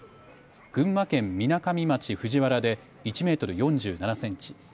群馬県みなかみ町藤原で１メートル４７センチ。